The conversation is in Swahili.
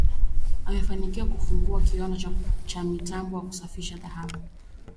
Amefanikiwa kufungua kiwanda chenye mtambo wa kusafishia dhahabu kilichopo eneo la Sabasaba wilayani Ilemela